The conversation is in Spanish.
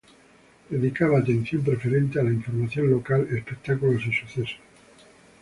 Dedicaba atención preferente a la información local, espectáculos y sucesos.